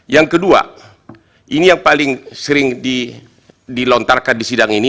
yang kedua ini yang paling sering dilontarkan di sidang ini